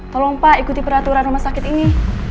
tolong pak ikuti peraturan rumah sakit ini